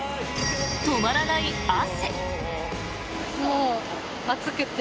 止まらない汗。